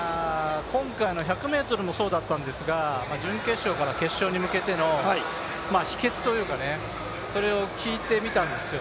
今回の１００ｍもそうだったんですが準決勝から決勝に向けての秘けつを聞いてみたんですよ。